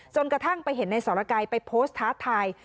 กระทั่งไปเห็นในสรกัยไปโพสต์ท้าทาย